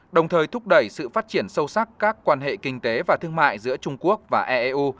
đồng thời thúc đẩy sự phát triển sâu sắc các quan hệ kinh tế và thương mại giữa trung quốc và eeu